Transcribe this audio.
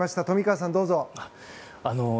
富川さん、どうぞ。